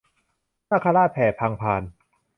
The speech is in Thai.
นาคราชแผ่พังพาน